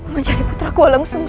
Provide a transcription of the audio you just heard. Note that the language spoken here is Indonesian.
menjadi putraku langsung